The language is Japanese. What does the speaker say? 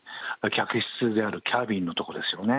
客室であるキャビンのところですよね。